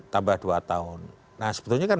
tambah dua tahun nah sebetulnya kan